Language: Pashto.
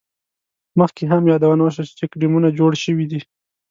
مخکې هم یادونه وشوه، چې چیک ډیمونه جوړ شوي دي.